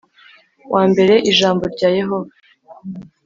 Wa mbere ijambo rya yehova